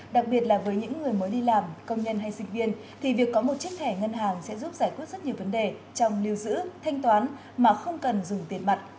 đặc biệt là với những người mới đi làm công nhân hay sinh viên thì việc có một chiếc thẻ ngân hàng sẽ giúp giải quyết rất nhiều vấn đề trong lưu giữ thanh toán mà không cần dùng tiền mặt